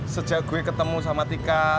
sejak gue ketemu sama tika